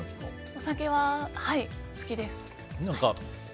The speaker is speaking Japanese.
お酒は好きです。